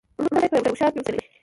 ړوند سړی په یوه ښار کي اوسېدلی